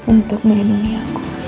untuk melindungi aku